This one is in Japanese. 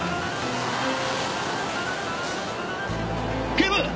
警部！